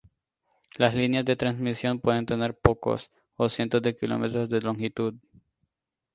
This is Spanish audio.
Las líneas de transmisión pueden tener pocos, o cientos de kilómetros de longitud.